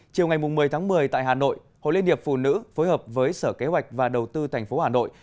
chiều ngày một mươi tháng một mươi tại hà nội hội liên hiệp phụ nữ phối hợp với sở kế hoạch và đầu tư tp hà nội